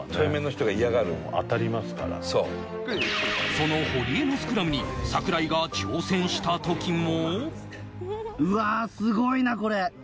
その堀江のスクラムに櫻井が挑戦したときも。